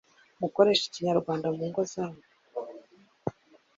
mukoreshe Ikinyarwanda mu ngo zanyu